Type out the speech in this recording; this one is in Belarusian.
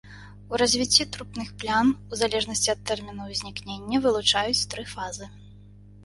У развіцці трупных плям у залежнасці ад тэрмінаў узнікнення вылучаюць тры фазы.